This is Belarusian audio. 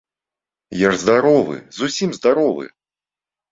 Я ж здаровы, зусім здаровы.